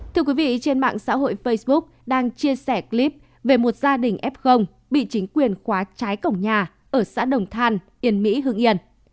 thưa quý vị trên mạng xã hội facebook đang chia sẻ clip về một gia đình f bị chính quyền khóa trái cổng nhà ở xã đồng than yên mỹ hương yên